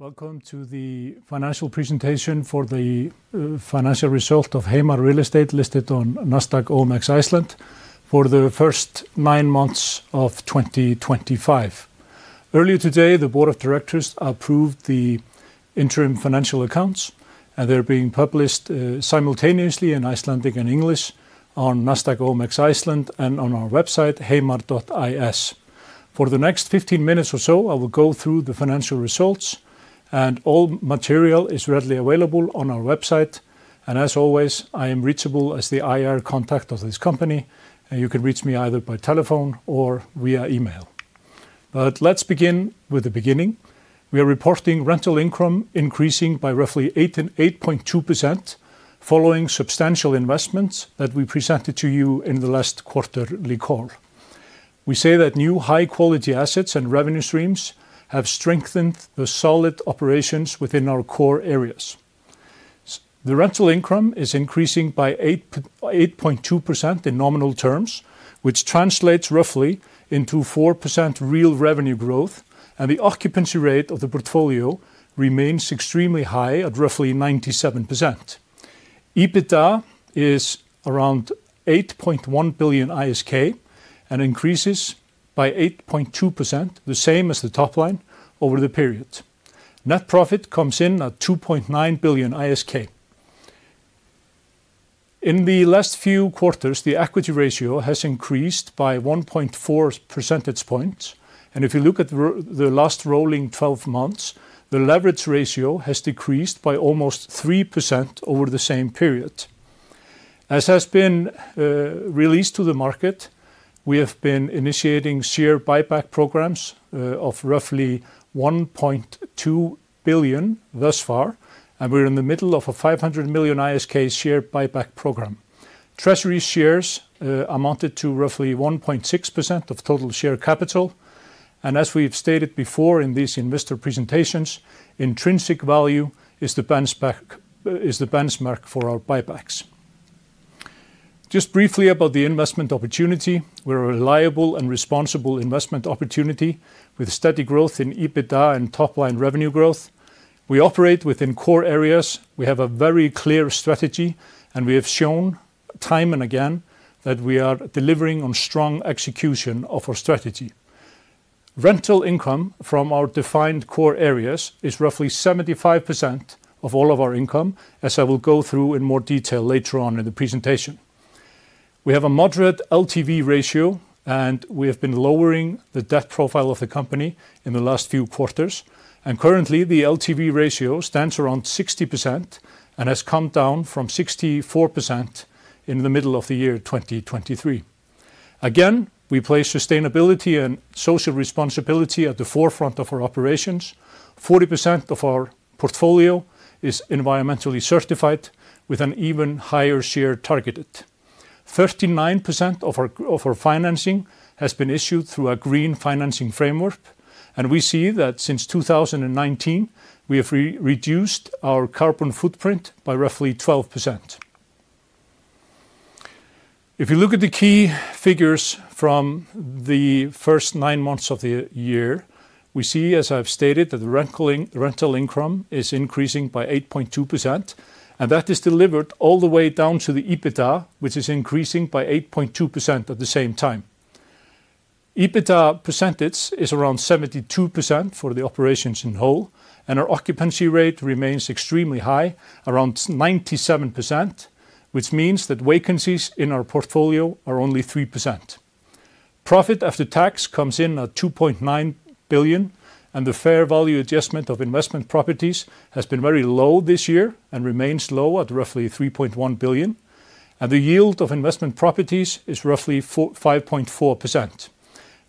Welcome to the financial presentation for the financial result of Heimar Real Estate, listed on Nasdaq OMX Iceland, for the first nine months of 2025. Earlier today, the Board of Directors approved the interim financial accounts, and they're being published simultaneously in Icelandic and English on Nasdaq OMX Iceland and on our website, heimar.is. For the next 15 minutes or so, I will go through the financial results, and all material is readily available on our website, and as always, I am reachable as the IR contact of this company, and you can reach me either by telephone or via email, but let's begin with the beginning. We are reporting rental income increasing by roughly 8.2%, following substantial investments that we presented to you in the last quarterly call. We say that new high-quality assets and revenue streams have strengthened the solid operations within our core areas. The rental income is increasing by 8.2% in nominal terms, which translates roughly into 4% real revenue growth, and the occupancy rate of the portfolio remains extremely high at roughly 97%. EBITDA is around 8.1 billion ISK and increases by 8.2%, the same as the top line, over the period. Net profit comes in at 2.9 billion ISK. In the last few quarters, the equity ratio has increased by 1.4 percentage points, and if you look at the last rolling 12 months, the leverage ratio has decreased by almost 3% over the same period. As has been released to the market, we have been initiating share buyback programs of roughly 1.2 billion ISK thus far, and we're in the middle of a 500 million ISK share buyback program. Treasury shares amounted to roughly 1.6% of total share capital, and as we've stated before in these investor presentations, intrinsic value is the benchmark for our buybacks. Just briefly about the investment opportunity: we're a reliable and responsible investment opportunity with steady growth in EBITDA and top-line revenue growth. We operate within core areas, we have a very clear strategy, and we have shown time and again that we are delivering on strong execution of our strategy. Rental income from our defined core areas is roughly 75% of all of our income, as I will go through in more detail later on in the presentation. We have a moderate LTV ratio, and we have been lowering the debt profile of the company in the last few quarters, and currently the LTV ratio stands around 60% and has come down from 64% in the middle of the year 2023. Again, we place sustainability and social responsibility at the forefront of our operations. 40% of our portfolio is environmentally certified, with an even higher share targeted. 39% of our financing has been issued through a green financing framework, and we see that since 2019, we have reduced our carbon footprint by roughly 12%. If you look at the key figures from the first nine months of the year, we see, as I've stated, that the rental income is increasing by 8.2%, and that is delivered all the way down to the EBITDA, which is increasing by 8.2% at the same time. EBITDA percentage is around 72% for the operations in whole, and our occupancy rate remains extremely high, around 97%, which means that vacancies in our portfolio are only 3%. Profit after tax comes in at 2.9 billion, and the fair value adjustment of investment properties has been very low this year and remains low at roughly 3.1 billion, and the yield of investment properties is roughly 5.4%.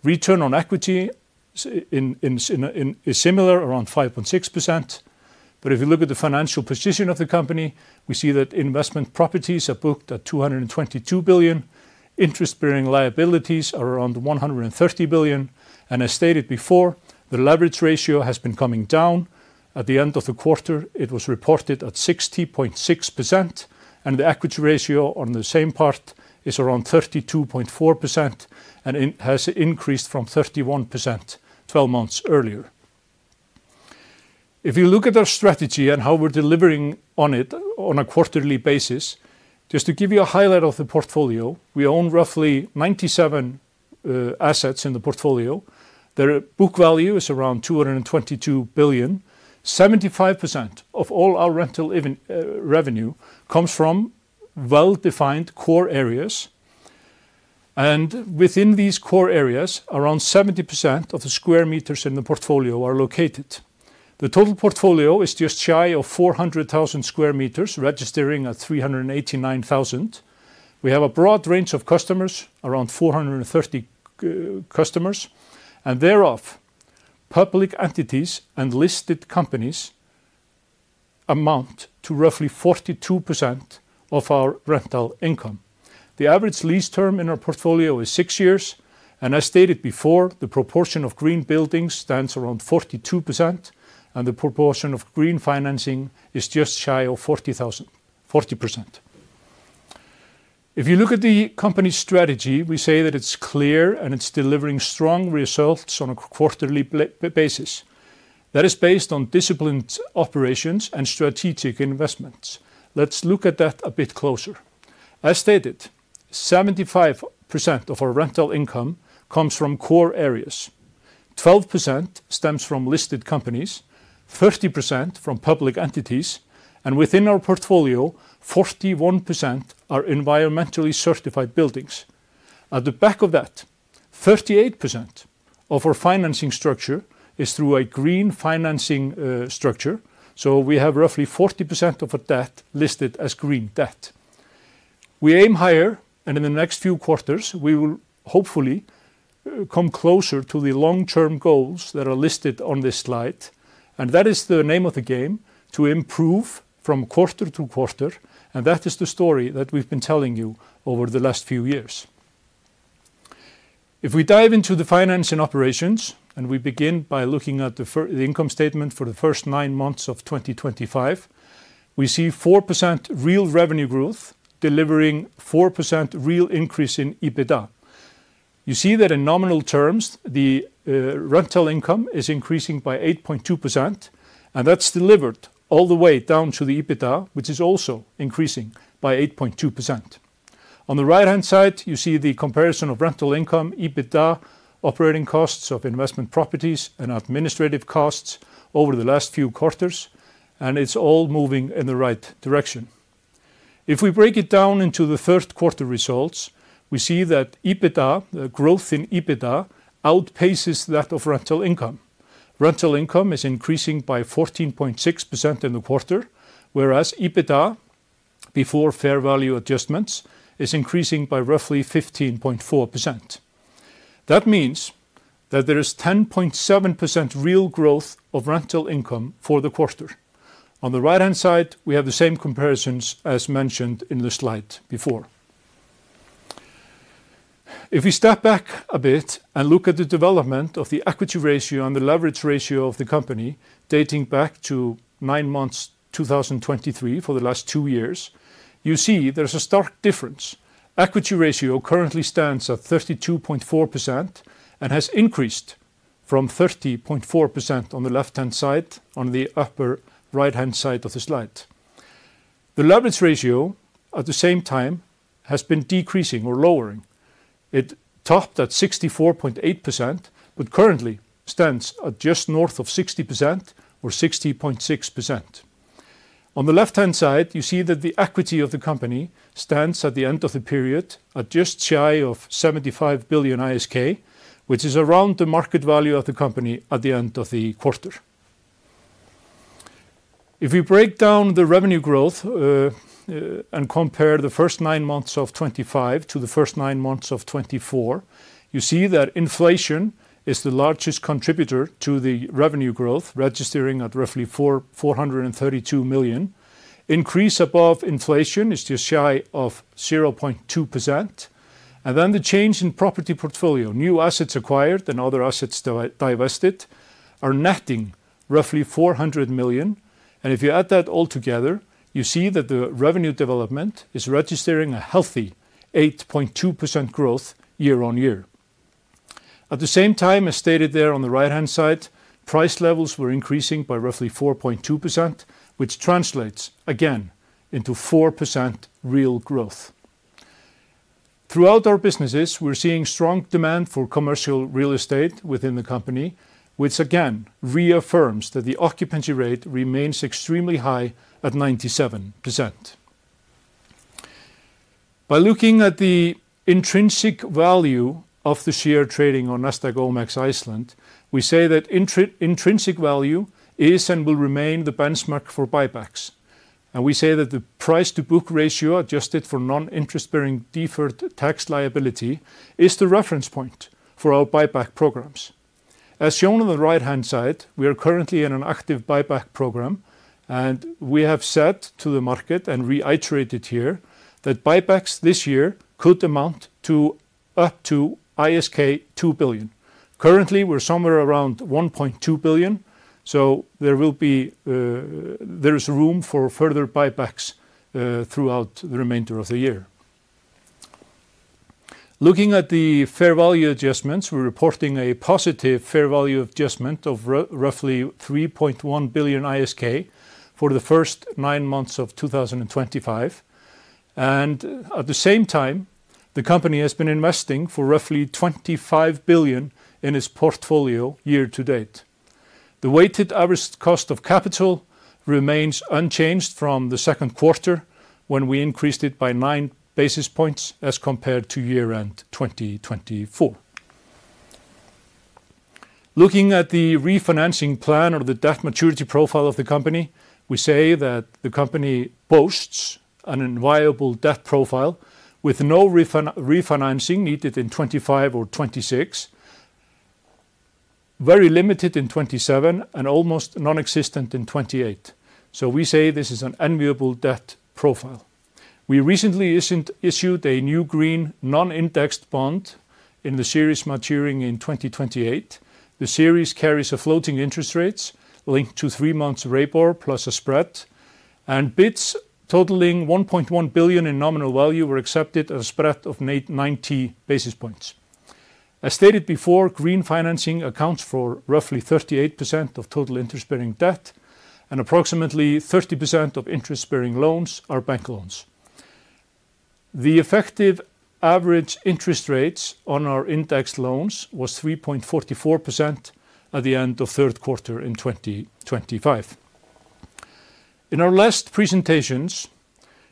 Return on Equity is similar, around 5.6%, but if you look at the financial position of the company, we see that investment properties are booked at 222 billion, interest-bearing liabilities are around 130 billion, and as stated before, the leverage ratio has been coming down. At the end of the quarter, it was reported at 60.6%, and the equity ratio on the same part is around 32.4%, and it has increased from 31% 12 months earlier. If you look at our strategy and how we're delivering on it on a quarterly basis, just to give you a highlight of the portfolio, we own roughly 97 assets in the portfolio. Their book value is around 222 billion. 75% of all our rental revenue comes from well-defined core areas, and within these core areas, around 70% of the square meters in the portfolio are located. The total portfolio is just shy of 400,000 sq m, registering at 389,000. We have a broad range of customers, around 430 customers, and thereof, public entities and listed companies amount to roughly 42% of our rental income. The average lease term in our portfolio is six years, and as stated before, the proportion of green buildings stands around 42%, and the proportion of green financing is just shy of 40%. If you look at the company's strategy, we say that it's clear and it's delivering strong results on a quarterly basis. That is based on disciplined operations and strategic investments. Let's look at that a bit closer. As stated, 75% of our rental income comes from core areas, 12% stems from listed companies, 30% from public entities, and within our portfolio, 41% are environmentally certified buildings. On the back of that, 38% of our financing structure is through a green financing structure, so we have roughly 40% of our debt listed as green debt. We aim higher, and in the next few quarters, we will hopefully come closer to the long-term goals that are listed on this slide, and that is the name of the game, to improve from quarter to quarter, and that is the story that we've been telling you over the last few years. If we dive into the financing operations, and we begin by looking at the income statement for the first nine months of 2025, we see 4% real revenue growth, delivering 4% real increase in EBITDA. You see that in nominal terms, the rental income is increasing by 8.2%, and that's delivered all the way down to the EBITDA, which is also increasing by 8.2%. On the right-hand side, you see the comparison of rental income, EBITDA, operating costs of investment properties, and administrative costs over the last few quarters, and it's all moving in the right direction. If we break it down into the third quarter results, we see that EBITDA, the growth in EBITDA, outpaces that of rental income. Rental income is increasing by 14.6% in the quarter, whereas EBITDA, before fair value adjustments, is increasing by roughly 15.4%. That means that there is 10.7% real growth of rental income for the quarter. On the right-hand side, we have the same comparisons as mentioned in the slide before. If we step back a bit and look at the development of the equity ratio and the leverage ratio of the company, dating back to nine months, 2023, for the last two years, you see there's a stark difference. Equity ratio currently stands at 32.4% and has increased from 30.4% on the left-hand side on the upper right-hand side of the slide. The leverage ratio, at the same time, has been decreasing or lowering. It topped at 64.8%, but currently stands at just north of 60% or 60.6%. On the left-hand side, you see that the equity of the company stands at the end of the period at just shy of 75 billion ISK, which is around the market value of the company at the end of the quarter. If we break down the revenue growth and compare the first nine months of 2025 to the first nine months of 2024, you see that inflation is the largest contributor to the revenue growth, registering at roughly 432 million. Increase above inflation is just shy of 0.2%, and then the change in property portfolio, new assets acquired and other assets divested, are netting roughly 400 million, and if you add that all together, you see that the revenue development is registering a healthy 8.2% growth year-on-year. At the same time, as stated there on the right-hand side, price levels were increasing by roughly 4.2%, which translates, again, into 4% real growth. Throughout our businesses, we're seeing strong demand for commercial real estate within the company, which again reaffirms that the occupancy rate remains extremely high at 97%. By looking at the intrinsic value of the share trading on Nasdaq OMX Iceland, we say that intrinsic value is and will remain the benchmark for buybacks, and we say that the price-to-book ratio adjusted for non-interest-bearing deferred tax liability is the reference point for our buyback programs. As shown on the right-hand side, we are currently in an active buyback program, and we have said to the market and reiterated here that buybacks this year could amount to up to ISK 2 billion. Currently, we're somewhere around 1.2 billion, so there is room for further buybacks throughout the remainder of the year. Looking at the fair value adjustments, we're reporting a positive fair value adjustment of roughly 3.1 billion ISK for the first nine months of 2025, and at the same time, the company has been investing for roughly 25 billion in its portfolio year to date. The weighted average cost of capital remains unchanged from the second quarter, when we increased it by nine basis points as compared to year-end 2024. Looking at the refinancing plan or the debt maturity profile of the company, we say that the company boasts an enviable debt profile with no refinancing needed in 2025 or 2026, very limited in 2027, and almost non-existent in 2028, so we say this is an enviable debt profile. We recently issued a new green non-indexed bond in the series maturing in 2028. The series carries floating interest rates linked to three months of REIBOR plus a spread, and bids totaling 1.1 billion in nominal value were accepted at a spread of 90 basis points. As stated before, green financing accounts for roughly 38% of total interest-bearing debt, and approximately 30% of interest-bearing loans are bank loans. The effective average interest rates on our indexed loans was 3.44% at the end of third quarter in 2025. In our last presentations,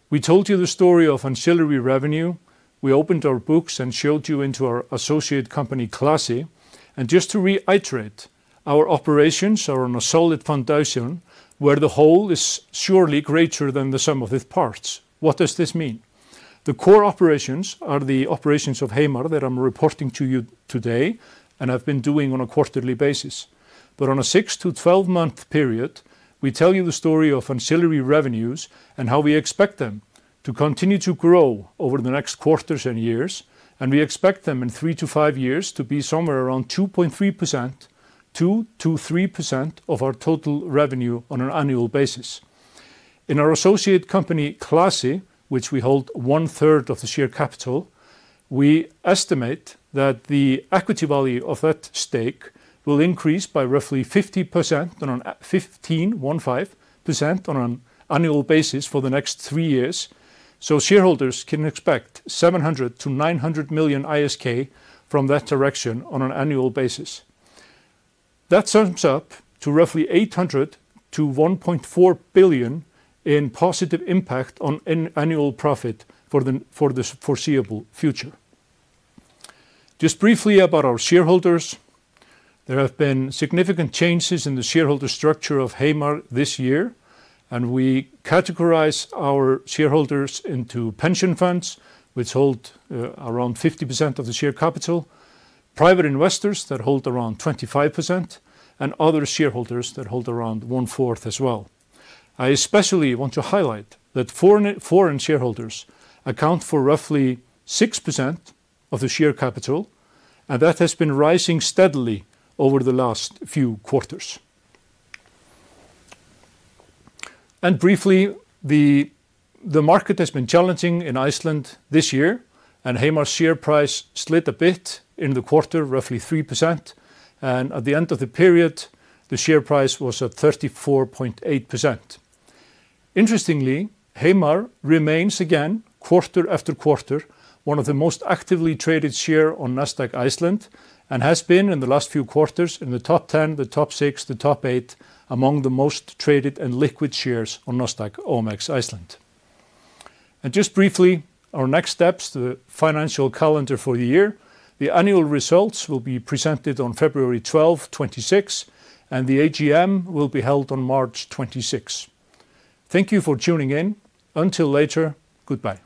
we told you the story of ancillary revenue. We opened our books and showed you into our associate company, Klasi, and just to reiterate, our operations are on a solid foundation where the whole is surely greater than the sum of its parts. What does this mean? The core operations are the operations of Heimar that I'm reporting to you today and have been doing on a quarterly basis, but on a 6-12-month period, we tell you the story of ancillary revenues and how we expect them to continue to grow over the next quarters and years, and we expect them in three to five years to be somewhere around 2.3%, 2%-3% of our total revenue on an annual basis. In our associate company, Klasi, which we hold one-third of the share capital, we estimate that the equity value of that stake will increase by roughly 15% on an annual basis for the next three years, so shareholders can expect 700-900 million ISK from that direction on an annual basis. That sums up to roughly 800-1.4 billion ISK in positive impact on annual profit for the foreseeable future. Just briefly about our shareholders, there have been significant changes in the shareholder structure of Heimar this year, and we categorize our shareholders into pension funds, which hold around 50% of the share capital, private investors that hold around 25%, and other shareholders that hold around one-fourth as well. I especially want to highlight that foreign shareholders account for roughly 6% of the share capital, and that has been rising steadily over the last few quarters, and briefly, the market has been challenging in Iceland this year, and Heimar's share price slid a bit in the quarter, roughly 3%, and at the end of the period, the share price was at 34.8. Interestingly, Heimar remains again, quarter after quarter, one of the most actively traded shares on Nasdaq OMX Iceland and has been in the last few quarters in the top 10, the top 6, the top 8 among the most traded and liquid shares on Nasdaq OMX Iceland, and just briefly, our next steps to the financial calendar for the year, the annual results will be presented on February 12, 2026, and the AGM will be held on March 26. Thank you for tuning in. Until later, goodbye.